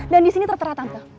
dan di sini tertera tante